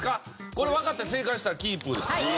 これわかったら正解したら金一封です。